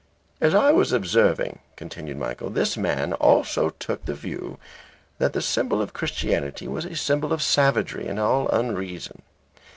"As I was observing," continued Michael, "this man also took the view that the symbol of Christianity was a symbol of savagery and all unreason.